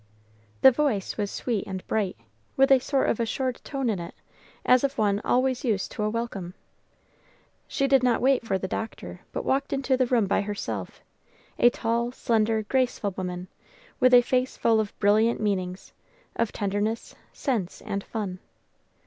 The voice was sweet and bright, with a sort of assured tone in it, as of one used always to a welcome. She did not wait for the Doctor, but walked into the room by herself, a tall, slender, graceful woman, with a face full of brilliant meanings, of tenderness, sense, and fun.